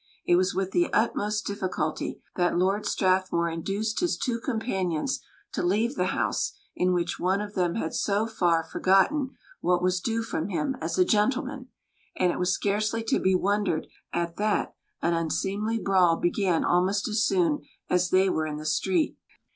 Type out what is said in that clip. It was with the utmost difficulty that Lord Strathmore induced his two companions to leave the house, in which one of them had so far forgotten what was due from him as a gentleman; and it was scarcely to be wondered at that an unseemly brawl began almost as soon as they were in the street.